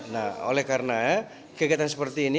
nah oleh karena kegiatan seperti ini